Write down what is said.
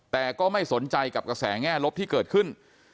แต่ก็ไม่สนใจกับกระแสแง่ลบที่เกิดขึ้น